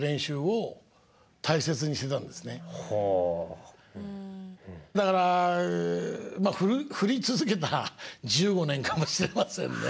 だからだから振り続けた１５年かもしれませんね。